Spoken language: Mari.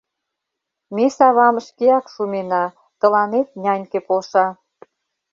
— Ме савам шкеак шумена, тыланет няньке полша.